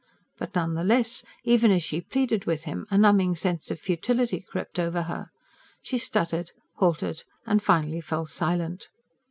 But none the less, even as she pleaded with him, a numbing sense of futility crept over her. She stuttered, halted, and finally fell silent.